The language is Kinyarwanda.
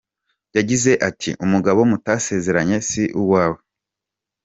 Yagize ati “Umugabo mutasezeranye si uwawe.